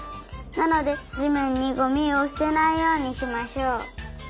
なのでじめんにゴミをすてないようにしましょう。